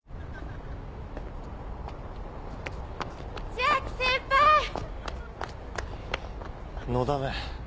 ・千秋先輩！のだめ。